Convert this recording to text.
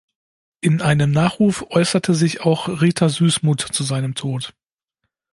In einem Nachruf äußerte sich auch Rita Süssmuth zu seinem Tod.